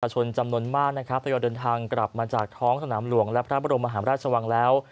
ชนจำนวนมากนะครับทยอยเดินทางกลับมาจากท้องสนามหลวงและพระบรมมหาราชวังแล้ว